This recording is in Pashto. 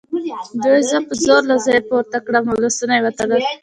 دوی زه په زور له ځایه پورته کړم او لاسونه یې وتړل